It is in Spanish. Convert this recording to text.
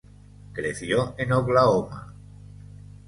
Creció en Oklahoma.